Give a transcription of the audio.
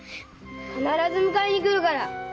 〔必ず迎えに来るから〕